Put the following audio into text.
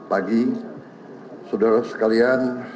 partai gorongan karya